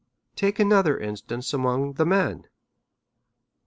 Take another instance amongst the men.